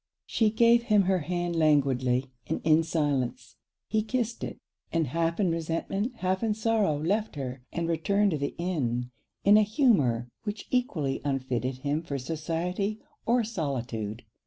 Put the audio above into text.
She gave him her hand languidly, and in silence. He kissed it; and half in resentment, half in sorrow, left her, and returned to the inn, in a humour which equally unfitted him for society or solitude.